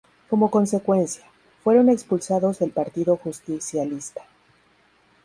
Como consecuencia, fueron expulsados del Partido Justicialista.